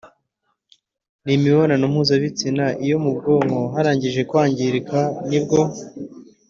n’imibonano mpuzabitsina. Iyo mu bwonko harangije kwangirika nibwo